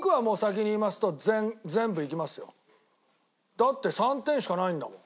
だって３点しかないんだもん。